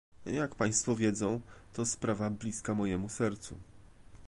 Jak państwo wiedzą, to sprawa bliska mojemu sercu